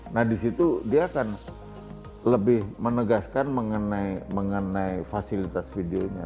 nah disitu dia akan lebih menegaskan mengenai fasilitas videonya